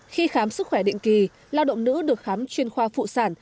khi khám sức khỏe định kỳ lao động nữ được khám chuyên khoa phụ sản